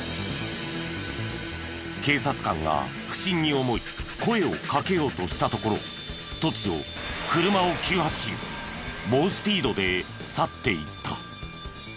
警察官が不審に思い声をかけようとしたところ突如車を急発進猛スピードで去っていった。